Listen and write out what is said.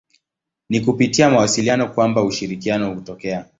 Ni kupitia mawasiliano kwamba ushirikiano hutokea.